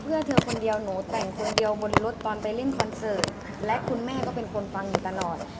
เพื่อเธอคนเดียวหนูแต่งคนเดียวบนรถตอนไปเล่นคอนเสิร์ตและคุณแม่ก็เป็นคนฟังอยู่ตลอด